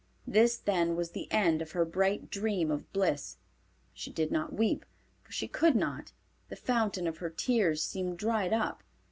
This, then, was the end of her bright dream of bliss! She did not weep, for she could not. The fountain of her tears seemed dried up.